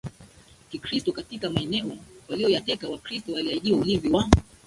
Kikristo katika maeneo waliyoyateka Wakristo waliahidiwa ulinzi wa